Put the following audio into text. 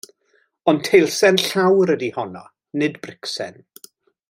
Ond teilsen llawr ydy honno, nid bricsen.